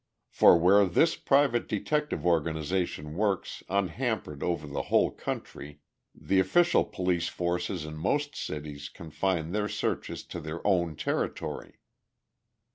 For where this private detective organization works unhampered over the whole country, the official police forces in most cities confine their searches to their own territory.